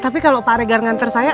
tapi kalau pak regar nganter saya